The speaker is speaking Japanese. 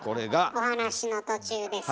お話の途中ですが。